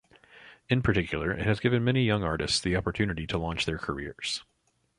In particular, it has given many young artists the opportunity to launch their careers.